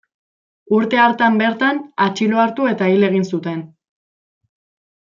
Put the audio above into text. Urte hartan bertan atxilo hartu eta hil egin zuten.